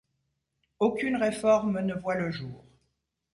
Aucune réforme ne voit le jour.